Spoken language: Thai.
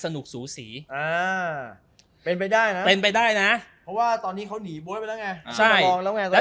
สูสีเป็นไปได้นะเป็นไปได้นะเพราะว่าตอนนี้เขาหนีบ๊วยไปแล้วไงช่างมองแล้วไง